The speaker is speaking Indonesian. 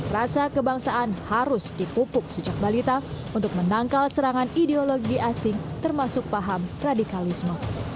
rasa kebangsaan harus dipupuk sejak balita untuk menangkal serangan ideologi asing termasuk paham radikalisme